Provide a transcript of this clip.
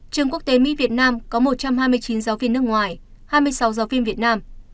trường quốc tế mỹ việt nam có một trăm hai mươi chín giáo viên nước ngoài hai mươi sáu giáo viên việt nam